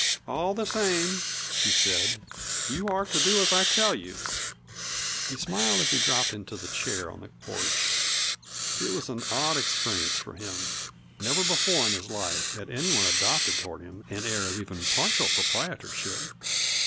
"All the same," she said, "you are to do as I tell you." He smiled as he dropped into the chair on the porch. It was an odd experience for him. Never before in his life had anyone adopted toward him an air of even partial proprietorship.